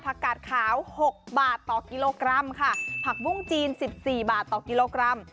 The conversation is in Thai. กาดขาวหกบาทต่อกิโลกรัมค่ะผักบุ้งจีนสิบสี่บาทต่อกิโลกรัม